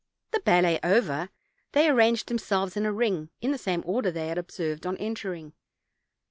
The ballet over, they arranged themselves in a ring, in the same order they had observed on entering.